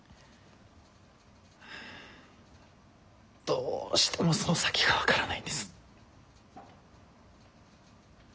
どうしてもその先が分からないんです。